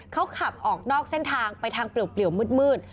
เขาขับออกนอกเส้นทางไปทางเปลี่ยวมืด